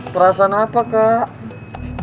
perasaan apa kak